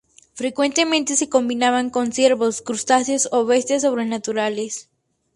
Frecuentemente se combinaban con ciervos, crustáceos o bestias sobrenaturales.